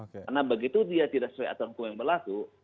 karena begitu dia tidak sesuai aturan hukum yang berlaku